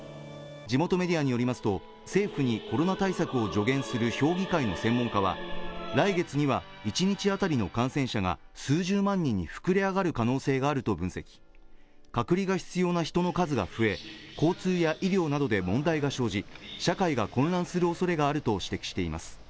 地元メディアによりますと政府のコロナ対策を助言する評議会の専門家は来月には１日あたりの感染者が数十万人に膨れ上がる可能性があると分析隔離が必要な人の数が増え交通や医療などで問題が生じ社会が混乱するおそれがあると指摘しています